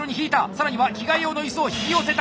更には着替え用のいすを引き寄せた。